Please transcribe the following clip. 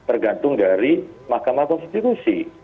tergantung dari mahkamah konstitusi